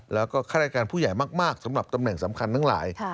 แล้วก็ฆาตการผู้ใหญ่มากสำหรับตำแหน่งสำคัญทั้งหลาย